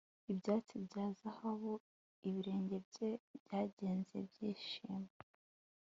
ibyatsi bya zahabu ibirenge bye byagenze byishimo